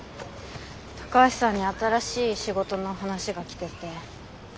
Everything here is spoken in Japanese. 高橋さんに新しい仕事の話が来てて。